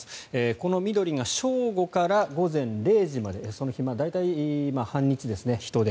この緑が正午から午前０時までその日の大体半日の人出。